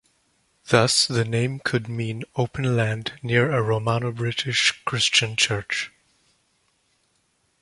Thus the name could mean 'Open land near a Romano-British Christian church'.